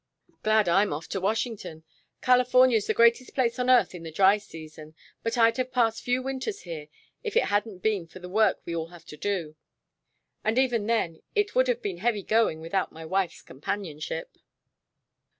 "Glad I'm off for Washington. California's the greatest place on earth in the dry season, but I'd have passed few winters here if it hadn't been for the work we all had to do, and even then it would have been heavy going without my wife's companionship."